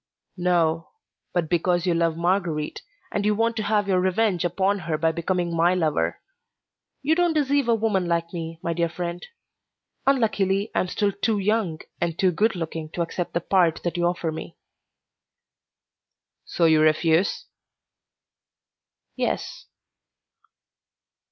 "No, but because you love Marguerite, and you want to have your revenge upon her by becoming my lover. You don't deceive a woman like me, my dear friend; unluckily, I am still too young and too good looking to accept the part that you offer me." "So you refuse?" "Yes.